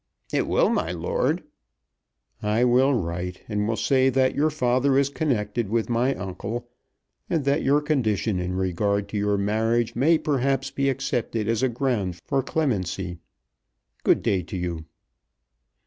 "It will, my lord." "I will write, and will say that your father is connected with my uncle, and that your condition in regard to your marriage may perhaps be accepted as a ground for clemency. Good day to you."